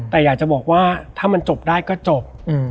แต่อยากจะบอกว่าถ้ามันจบได้ก็จบ